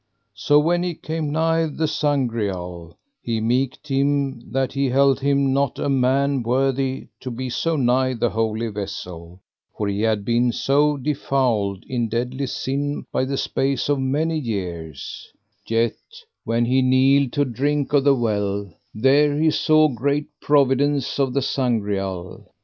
So when he came nigh the Sangreal, he meeked him that he held him not a man worthy to be so nigh the Holy Vessel, for he had been so defouled in deadly sin by the space of many years; yet when he kneeled to drink of the well, there he saw great providence of the Sangreal.